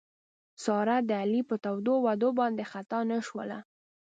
ساره د علي په تودو وعدو باندې خطا نه شوله.